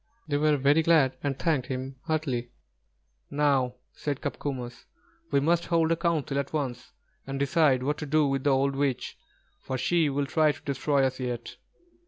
They were very glad, and thanked him heartily. "Now," said Copcomus, "we must hold a council at once and decide what to do with the old witch, for she will try to destroy us yet."